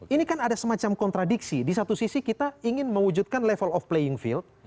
ini kan ada semacam kontradiksi di satu sisi kita ingin mewujudkan level of playing field